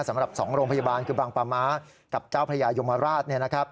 สำหรับ๒โรงพยาบาลคือบางปาม้ากับเจ้าพระยายมราช